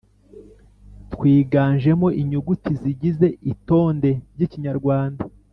twiganjemo inyuguti zigize itonde ry’ikinyarwanda ;